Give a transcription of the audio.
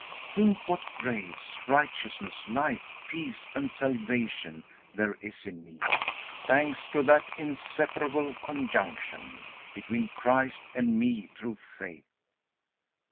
Think what grace, righteousness, life, peace, and salvation there is in me, thanks to that inseparable conjunction between Christ and me through faith!